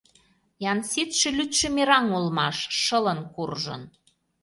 Янситше лӱдшӧ мераҥ улмаш — шылын куржын.